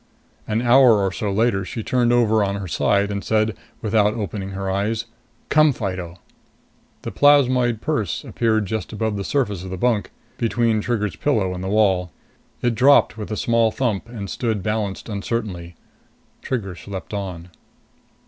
An hour or so later, she turned over on her side and said without opening her eyes, "Come, Fido!" The plasmoid purse appeared just above the surface of the bunk between Trigger's pillow and the wall. It dropped with a small thump and stood balanced uncertainly. Trigger slept on.